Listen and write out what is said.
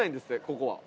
ここは。